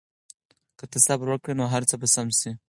که ته صبر وکړې نو هر څه به سم شي.